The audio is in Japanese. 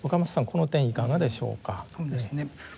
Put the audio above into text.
この点いかがでしょうか？